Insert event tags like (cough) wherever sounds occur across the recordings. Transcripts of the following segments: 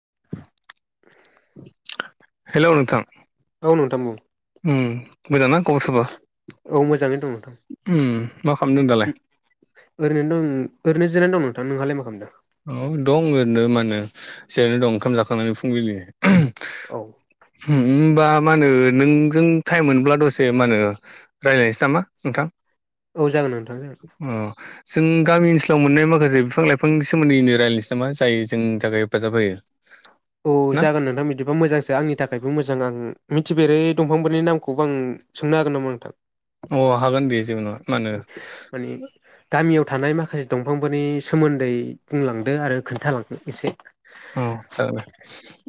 (inaudible) Hello नोंथां। औ नोंथां बुं उम मोजां ना खबर सबर? औ मोजाङैनो दं नोंथां उम मा खालामदों दालाय? उम ओरैनो दं ओरैनो जिरायना दं नोंथां। नोंहालाय मा खालामदों? औ दं ओरैनो मानो जिरायना दं ओंखाम जाखांनानै फुंबिलि। (unintelligible) औ हुम ओमबा मा होनो नोंजों टाइम मोनब्ला दसे मानो रायज्लायनोसै नामा नोंथां? औ जागोन नोंथां जागोन। अ जों गामि ओनसोलाव मोननाय माखासे बिफां लाइफांनि सोमोन्दैनो रायज्लायनोसै नामा जाय जोंनि थाखाय हेफाजाब होयो। औ ना जागोन नोंथां बिदिबा मोजांसो आंनि थाखायबो मोजां आङो मिथिफेरै दंफांफोरनि नामखौबो आं सोंनो हागोन नामा नोंथां। अ हागोन दे जेबो नङा मा होनो माने गामियाव थानाय माखासे दंफां फोरनि सोमोन्दै बुंलांदो आरो खोन्थालांदो एसे। औ जागोन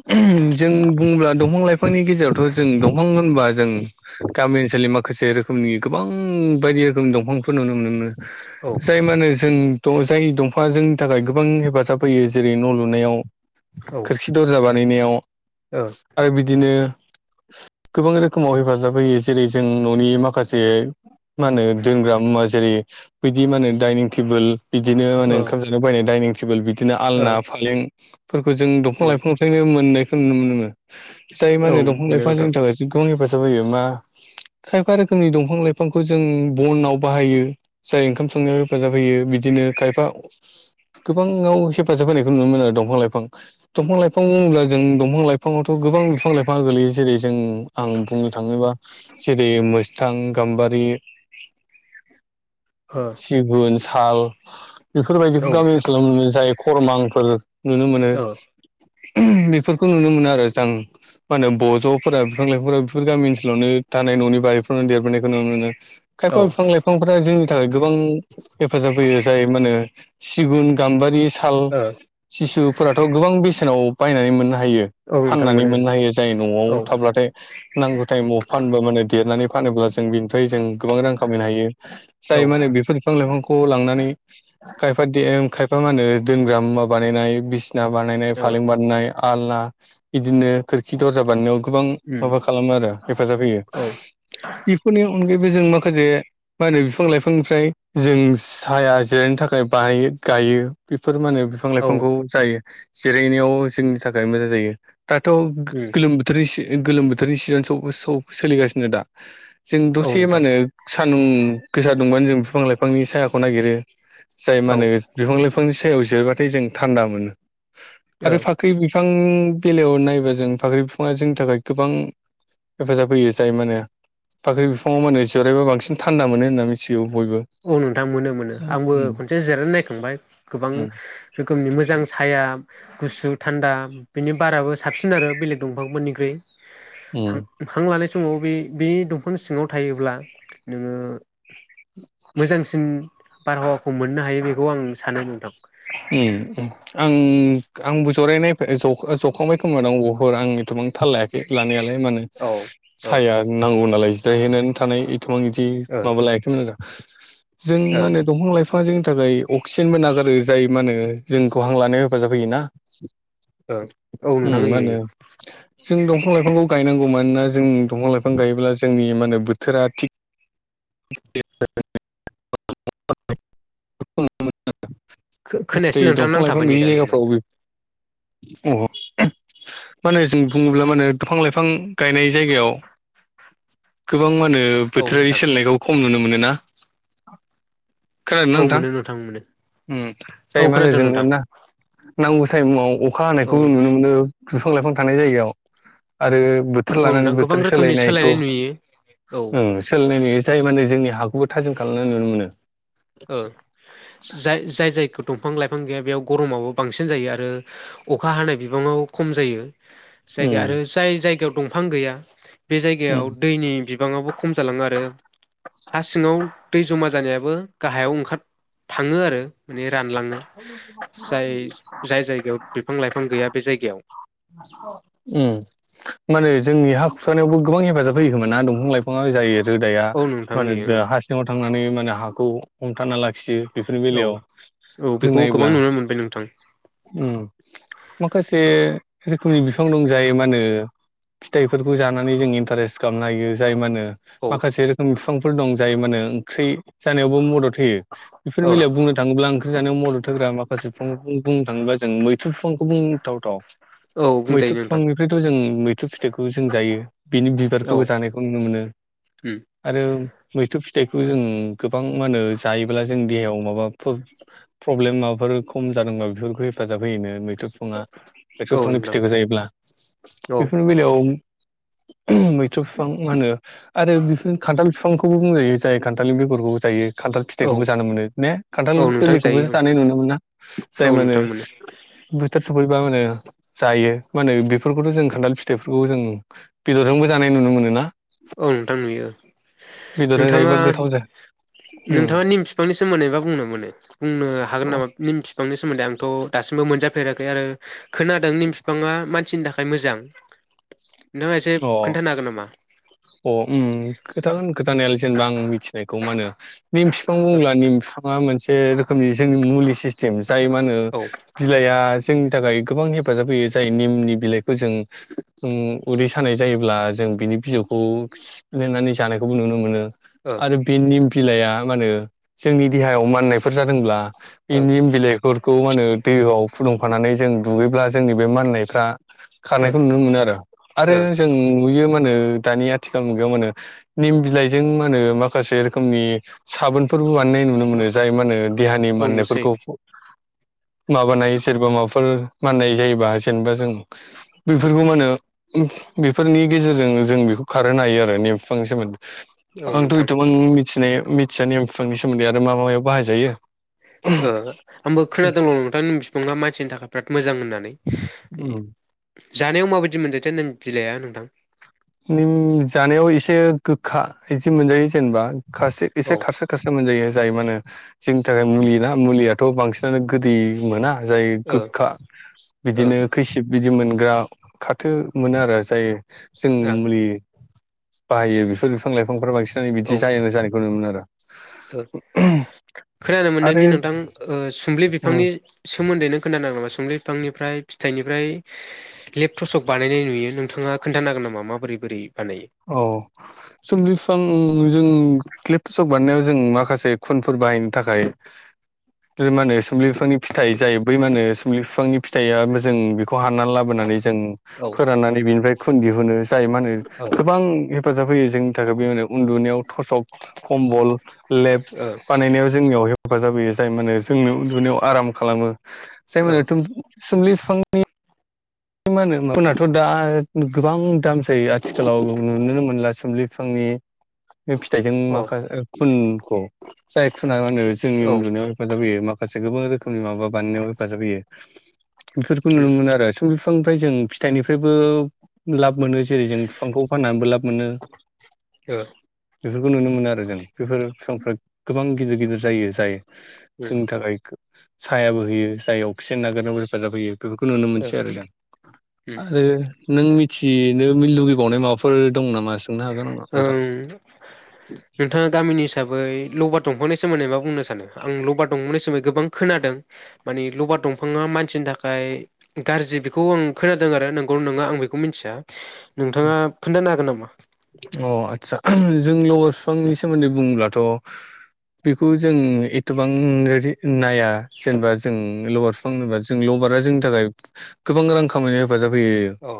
दे जों बुंब्ला दं फां लाइफांनि गेजेरावथ' जों दंफां होनबा जों गामि ओनसोलनि माखासे रोखोमनि गोबां बायदि रोखोमनि दंफांफोर नुनो मोनो। औ जाय मा होनो जों द जाय दंफां जोंनि थाखाय गोबां हेफाजाब होयो जेरै न' लुनायाव औ ओ खोरखि दरजा बानायनायाव ओ आरो बिदिनो गोबां रोखोमाव हेफाजाब होयो जेरै जों न'नि माखासे मा होनो दोनग्रा मुवा जेरै बैदि मा होनो डाइनिं टेबोल बिदिनो होनो ओंखाम जानो बायनाय डाइनिं टेबोल बिदिनो ओ आलना फालें फोरखौ जों दंफां उम लाइफांनिफ्रायनो मोननायखौ नुनो मोनो। जाय मा औ होनो दंफां मोनो लाइफां नोंथां जोंनि थाखाय (unintelligible) गोबां हेफाजाब होयो मा खायफा रोखोमनि दंफां लाइफांखौ जों बनाव बाहायो जाय ओंखाम संनायाव हेफाजाब होयो बि दिनो खायफा गोबाङाव हेफाजाब होनायखौ नुनो मोनो आरो दं फां लाइफां। दंफां लाइफां बुङोब्ला जों दंफां लाइफाङावथ' गोबां बिफां लाइफाङा गोलैयो जेरै जों आ उम बुंनो थाङोबा जेरै मोस्थां, गाम्बारि ओ सिगुन, साल, औ बेफोरबायदिखौ गामि ओनसोलाव मोनो जाय खरमांफोर नुनो मोनो। ओ (unintelligible) बेफोरखौ नुनो मोनो आरो जां मा होनो ब ज'फोरा बिफां लाइफांफोरा बेफोर गामि ओनसोलावनो थानाय न'नि बारिफोराव देरबोनायखौ नुनो मोनो। औ ओ खायफा बिफां लाइफांफोरा जोंनि थाखाय गोबां हेफाजाब होयो जाय मा होनो सिगुन, गाम्बारि साल ओ सिसुफोराथ' गोबां बेसेनाव बायनानै मोननो हायो औ नोंथां फाननानै मोनो मोननो हायो जाय न'आव औ थाब्लाथाय नांगौ टाइमाव फानबो माने देरनानै फानोब्ला जों बेनिफ्राय जों गोबां रां खामायनो हायो। औ जाय मानो बिफोर बिफां लाइफांखौ लांनानै खायफा देम खाय फा मा होनो दोनग्रा मुवा बानायनाय बिसिना बानायनाय ओ फालें बानायनाय आलना इदिनो खोरखि दरजा बानायनायाव गोबां उम माबा खालामो आरो हेफाजाब होयो औ बेफोरनि अन अनगायैबो जों माखासे मा होनो बिफां लाइफांनिफ्राय जों साया जिरायनो थाखाय बायो गायो बेफोर मानो औ फांखौ जायो जिरायनायाव जोंनि थाखाय मोजां जायो दाथ' गो उम गोलोम बोथोरनि इसे ओ गोलोम बोथोरनि सिजोन सौ सौ सोलिगासिनो दा जों औ दसे मा नोंथां होनो सानदुं गोसा दुंबानो जों बिफां लाइफांनि सायाखौ नागिरो जाय मा औ होनो बिफां लाइफांनि सायाव जिरबाथाय जों थान्दा मोनो औ आरो फाख्रि बिफांनि बे बेलायाव नायोबा जों फाख्रि बिफाङा जोंनि थाखाय गोबां हेफाजाब होयो जाय माने फाख्रि बिफाङाव माने जिराइबा बांसिन थान्दा मोनो होनना मिथिगौ। बयबो औ नोंथां मोनो मोनो आंबो खनसे जिरायनो नायखांबाय गोबां रोखोमनि मोजां साया गुसु थान्दा बेनि बाराबो साबसिन आरो बेलेग दंफांफोरनिख्रुइ हां हां लानाय समाव बे बे दंफां सिङाव थायोब्ला नोङो मोजांसिन बारहावाखौ मोननो हायो बेखौ आं सानो नोंथां उम उम आं आंबो जरायनाय ज जखांबाय खोम आं बहर आंथ' गोबांथाल लायाखै लानायालाय माने औ ओ ओ साया नांगौ नालाय जिरहैनानै थानाय इथुमां बिदि माबा लायाखै जों ओ मा होने दंफां लाइफां जोंनि थाखाय अक्सिजेनबो नागारो जाय मा होनो जोंखौहां लानायाव हेफाजाब होयोना औ औ उम नोंथां मा होयो होनो होयो जों दंफां लाइफांखौ गायनांगौ मानोना जों दंफां लाइफां गायोब्ला जोंनि मा होनो बोथोरा थिग (unintelligible) नुनो मोनो होयो खोनायासै नाथाय नोंथां दंफां लाइफां नांथाबाय नै गैयि दा नोंना जायगाफ्रावबो औ औ मा होनो जों बुङोब्ला म होनो बिफां लाइफां गायनाय जायगायाव गोबां मा होनो औ बोथोरारि नोंथां सोलायनायखौ खम नुनो मोनोना औ मोनो नोंथां मोनो उम औ जाय मा होनो खोनादों जोङो नोंथां ना नांगौ टाइमाव अखा औ हानायखौबो नुनो मोनो बिफां लाइफां थानाय जायगायाव आरो बोथोर औ लानानै नोंथां गोबां बोथोर रोखोमनि सोलायनायखौ सोलायनाय नुयो औ ओ सोलायनाय जायो माने जोंनि हाखौबो थाजिम खालामनाय नुनो मोनो औ जाय जायखौ दंफां लाइफां गैया बेयाव गरमाबो बांसिन जायो आरो अखा हानाय बिबाङावो खम जायो जायगा आरो उम जाय जायगायाव दंफां गैया बे जायगायाव उम दैनि बि बाङावबो खम जालाङो आरो हा सिङाव दै जमा जानायाबो गाहायाव ओंखार थाङो आरो माने रानलाङो जाय जाय जायगायाव बिफां लाइफां गैया बे जायगायाव उम माने जोंनि हा खुरखानायावबो गोबां हेफाजाब होयोखोमोन ना दंफां लाइफाङा जायो रोदाया औ मा नोंथां होनो होयो हारसिङाव थांनानै जोंनो हाखौ हमथाना लाखियो बेफोरनि औ बेलायाव औ जों बेखौ गोबां नायोब्ला नुनो मोनबाय नोंथां उम माखासे रोखोमनि बिफां दं जाय मा होनो फिथायफोरखौ जानानै जों इन्टारेस खालामनो हायो जाय मा होनो औ माखासे रोखोमनि फिफां फोर दं जाय माने ओंख्रि जानायावबो मदद होयो बेफोरनि औ बेलायाव बुंनो थाङोब्ला ओं ख्रि जानायाव मदद होग्रा माखासे बिफांखौ बुंनो थाङोबा जों मैथ्रु बिफांखौ बुंथाव थाव औ मैथ्रु बुंजायो नोंथां बिफांनिफ्रायथ' जों मै थ्रु फिथाइखौ जों जायो बिनि औ बिबारखौबो जानायखौ नुनो मोनो उम आरो मैथ्रु फिथ थाइखौ जों गोबां मा होनो जायोब्ला जों देहायाव माबाफोर प्रब्लेम माबाफोर खम जादोंबा बेफोरखौ हेफाजाब होयोनो। फिफाङा बेफोर औ बिफांनि फिथाइखौ जायोब्ला नोंथां औ बेफोरनि बेलायाव मैथ्रु बिफां मा होनो आरो बिफोरनो खान्थाल बिफांखौबो बुंजायो। जाय खान्थालनि बेगरखौबो जायो खान्थाल औ फिथाइखौबो जानो मोनो ने खान्थाल औ नोंथां खौबो जायो जानाय नुनो मोना जाय औ मा होनो नोंथां मोनो बोथोर स फैबा मा होनो जायो मा होनो बेफोरखौथ' जों खान्थाल फिथाइफोरखौ जों बेदरजोंबो जानाय नुनो मोनो ना। औ नोंथां नुयो औ बेदरजों नोंथाङा जायोबा गोथाव जायो नोंथाङा निम बिफांनि सोमोन्दै बा बुंनो मोनो बुंनो हागोन नामा निम बिफांनि सोमोन्दै आंथ' दासिमबो मोनजा फेराखै आरो खोनादों निम बिफाङा मानसिनि थाखाय मोजां नोंथाङा एसे अ खोन्थानो हागोन नामा? अ उम खोथागोन खोथानायालाय जेनेबा आं मिथिनायखौ मा होनो निम फिफां औ बुंब्ला निम बिफाङा मोनसे रोखोमनि जोंनि मुलि सिसस्टिम जायो मा होनो ओ बिलाइआ जोंनि थाखाय गोबां हेफाजाब होयो जाय निमनि बिलाइखौ जों उम उदै सानाय जायोब्ला जों बिनि बिजौखौ सिफ्लेनानै जानायखौबो नुनो मोनो। ओ आरो बे निम बिलाइआ मा होनो जोंनि देहायाव माननायफोर जादोंब्ला बे ओ निम बिलाइफोरखौ मा होनो दैआव फुदुंफानानै जों दुगैब्ला जोंनि बे माननायफ्रा खारनायखौ नुनो मोनो आरो आरो ओ जों नुयो। यो मा होनो दानि आथिखाल मुगायाव मा होनो निम बिलाइजों मा होनो माखासे रोखोमनि साबोन फोरबो बानायनाय नुनो मोनो। जाय मा होनो देहानि औ नुसै माननायफोरखौ माबानाय सोरबा माबफ फोर माननाय जायोबा जेनेबा जों बेफोरखौ मा होनो? बेफोरनि गेजेरजों जों बेखौ खारहोनो हायो आरो नेम बिफांनि सोमोन्दै औ आंथ' नोंथां एथ'बां मिथिनाय मिथिया नेम बिफांनि सोमोन्दै आरो मा मायाव बाहायजायो। ओ आंबो खोनादोंल' नोंथां निम बिफाङा मानसिनि थाखाय बिराद मोजां होननानै उम जानायाव माबायदि मोनजायोथाय नों बिलाया नोंथां निम जानायाव एसे गोखा इदि मोनजो जेनेबा खासे औ एसे ओ खारसो खारसो मोनजायो। जायो मा होनो जोंनि थाखाय मुलि ना मुलियाथ' बांसिनानो गोदै मोना। जाय ओ गोखा ओ बिदिनो खैसिब बिदि मोनग्रा खा थो मोनो आरो जाय जों औ मुलि बाहायो। बेफोर फां लाइफांफोरा बांसिनानो ओ बिदि जायोमो जानायखौ नुनो मोनो आरो। खोनानो आरो मोनदोंदि नोंथां ओ सुम्लि बिफांनि आरो सो सोमोन्दै नों खोनानाङा नामा सोमलि बिफांनिफ्राय फिथाइनिफ्राय लेप टसक बानायनाय नुयो। नोंथाङा खोन्थानो हागोन नामा माबोरै बोरै बानायो? औ सोमलि बिफां जों लेपट थसक बानायनायाव जों माखासे खुनफोर बाहायनो थाखाय लि मा होनो सोम्लि बिफांनि फिथाइ जाय बै मा होनो सुम्लि बिफांनि फिथाइआबो जों बि खौ हानना लाबोनानै जों औ फोराननानै बेनिफ्राय खुन दिहुनो जाय मा होनो औ गोबां हेफाजाब होयो जोंनि थाखाय बे (unintelligible) उन्दुनायाव थसक कम्बल लेब ओ बानायनायाव जोंनियाव हे हेफाजाब होयो जाय माने जोंनो उन्दुनायाव आराम खालामो। (unintelligible) सुमलि बिफांनि मा होनो (unintelligible) दा गोबां दाम जायो आ थिखालाव नुनोनो मोनला सुमलि बिफांनि फिथाइजों औ अ औ माखास ओ खुनखौ जाय खुना मा होनो जोंनि उन्दुनायाव हेफाजाब होयो माखासे से गोबां रोखोमनि माबा बानायनायाव हेफाजाब होयो बेफोरखौ उम ओ नुनो मोनो आरो। सुम बिफांनिफ्राय जों फिथाइनिफ्रायबो लाब मोनो जेरै जों बिफांखौ फाननानैबो लाब मोनो बेफोरखौ नुनो मोनो आरो। जों बेफोर बिफांफ्रा गोबां गिदिर गिदिर जायो जाय उम जोंनि थाखाय सायाबो होयो जाय अक्सिजेन नागारनायावबो हेफाजाब होयो बेफोरखौ नुनो ओ मोनस गोन उम आरो नों मिथिनो मि लुगैबावनाय माबाफोर दं नामा सो ओं नोंथाङा गामिनि हिसाबै लबार दंफांनि सोमोन्दै मा बुंनो सानो आं लबार दंफांनि सोमोनदै गोबां खोनादों माने लबार दंफाङा मानसिनि थाखाय गाज्रि बेखौ आं खोनादों आरो नंगौ नङा आं बेखौ मिथिया नोंथाङा खोन्थानो हागोन नामा अ आदसा जों लब' बिफांनि सोमोन्दै बुङोब्लाथ' बेखौ जों एथबां नाया जेनेबा जों लबार बिफां होनबा जों ल बारा जोंनि थाखाय गोबां रां खामाययाव हेफाजाब होयो औ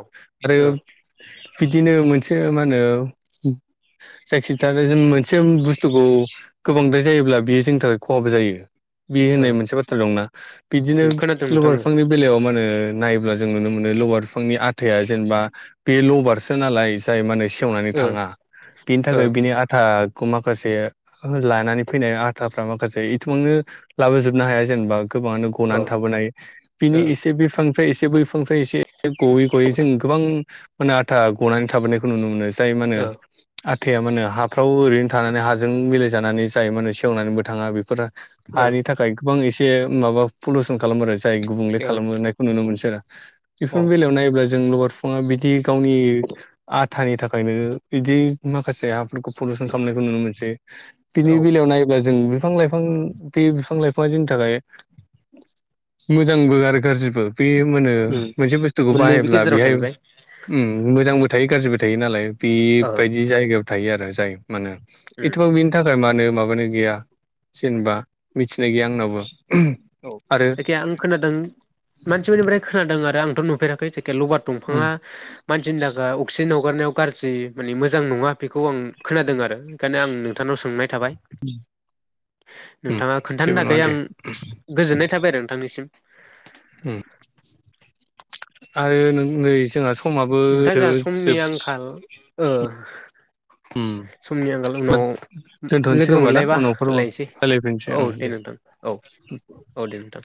आरो ओ बिदिनो मोनसे मा होनो जायखिथाया जों मोनसे बुस्थुखौ गोबांद्राय जायोब्ला बियो जोंनि थाखाय खहाबो जायो। बि ओ होननाय मोनसे बाथ्रा दंना उम बिदिनोल खोनादों बि नोंथां ओ बिफांनि बेलायाव मा होनो नायोबब्ला जों नुनो मोनो लवार बिफांनि आथा जेनेबा बे लबारसो नालाय जाय माने सेवनानै ओ थाङा बिनि ओ थाखाय बिनि आथा खौ माखासे लानानै फैनाय आथाफ्रा माखासे इथबांनो लाबोजोबनो हाया जेनेबा गोबाङानो ओ गनानै थाबोन हायो बिनि ओ एसे बिफां फ्राय एसे बै बिफांनिफ्राय एसे गयै गयै जों गोबां माने आथा गनानै थाबोनायखौ नुनो मोनो जाय मा ओ होनो थैया मानो हाफ्राव ओरैनो थानानै हाजों मिलायजानानै जायो माने सेवनानैबो थाङा बेफोरो हानि थाखाय गोबां एसे माबा पलिउसन खालामो आरो गुबुंले खालामोनायखौ नुनो मोनसै आरो ओ अ बेफोरनि बेलायाव नायोब्ला जों लबार बिफांङा बि बिदि गावनि आथानि थाखायनो बिदि माखासे हाफोरखौ पलुसन खालामनायखौ नुनो मोनसै बिनि औ बेलायाव नायोब्ला जों बिफां लाइफां बे बिफां लाइफाङा जोंनि थाखाय मोजांबो आरो गाज्रिबो बे मोनो उम मोनसे बुस्थुखौ मोननैबो बाहायोब्ला गेजेराव बेहाय थाहैबाय मोजांबो थायो गाज्रिबो थायो नालाय ओ बेबायदि जायगायाव थायो आरो जाय माने उम एथबां बिनि थाखाय मानो माबानो गैया जेनेबा मिथिनाय गैया आंनावबो औ आरो जायखिया आं खोनादों मानसिफोरनिफ्राय खोनादों आरो आंथ' नुफेराखै जायखिया लबार उम दंफाङा मानसिनि थाखाय अक्सिजेनाव हगारनायाव गाज्रि माने मोजां नङा बेखौ आं खोनादों आरो बेखायनो आं नोंथांनाव सोंनाय थाबाय उम नोंथाङा खोन्थानो जेबो नङा थाखायै आं दे गोजोननाय थाबाय आरो नोंथांनिसिम आरो नै जोंहा समाबो नोंथां जोंहा समनि जोब आंखाल ओ समनि आंगाल उनाव दोनथ'नोसै लोगो खोमा ना मोनलायबा उनावफोर लायसै रायलायफिनसै औ ओं दे नोंथां औ औ दे नोंथां